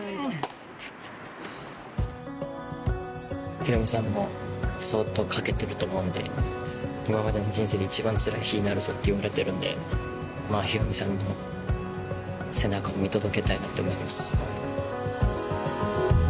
ヒロミさんも相当かけてると思うんで、今までの人生で一番つらい日になるぞって思ってるんで、ヒロミさんの背中を見届けたいなと思います。